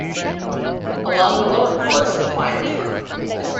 Along the lower course, wine is grown.